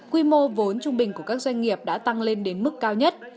quy mô vốn trung bình của các doanh nghiệp đã tăng lên đến mức cao nhất